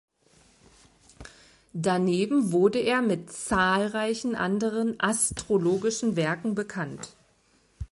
Daneben wurde er mit zahlreichen anderen astrologischen Werken bekannt.